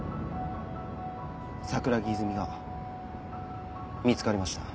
桜木泉が見つかりました。